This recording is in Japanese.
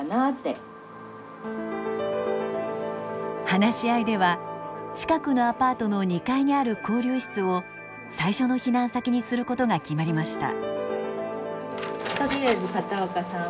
話し合いでは近くのアパートの２階にある交流室を最初の避難先にすることが決まりました。